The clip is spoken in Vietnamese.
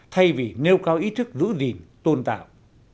thay vì nêu cao ý thức giữ gìn tôn tạo